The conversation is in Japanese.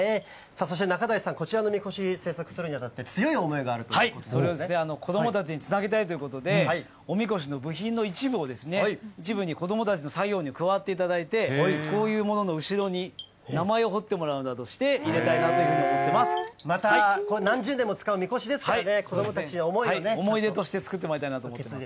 そして中臺さん、こちらの神輿、製作するにあたって、強い思いがあるということな子どもたちにつなげたいということで、お神輿の部品の一部を一部に子どもたちに作業に加わっていただいて、こういうものの後ろに名前を彫ってもらうなどして、入れたいなとまた何十年も使う神輿ですか思い出として作ってもらいたいなと思います。